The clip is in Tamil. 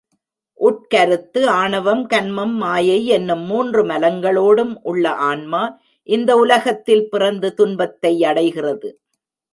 உட்கருத்து ஆணவம், கன்மம், மாயை என்னும் மூன்று மலங்களோடும் உள்ள ஆன்மா இந்த உலகத்தில் பிறந்து துன்பத்தை அடைகிறது.